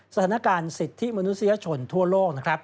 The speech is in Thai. สถานการณ์สิทธิมนุษยชนทั่วโลก